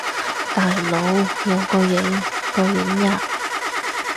大佬，有個影！個影呀！